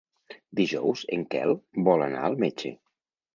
Dijous en Quel vol anar al metge.